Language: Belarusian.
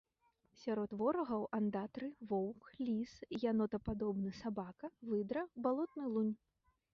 Сярод ворагаў андатры воўк, ліс, янотападобны сабака, выдра, балотны лунь.